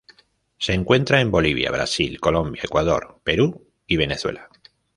Se encuentra en Bolivia, Brasil, Colombia, Ecuador, Perú y Venezuela.